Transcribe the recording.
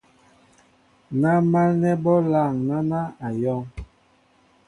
Ná málnɛ́ bɔ́ lâŋ náná , á yɔ̄ŋ.